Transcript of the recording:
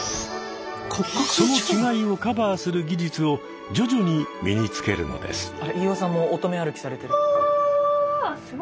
その違いをカバーする技術を徐々に身につけるのです。